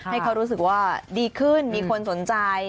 ให้เขารู้สึกว่าดีขึ้นมีคนสนใจ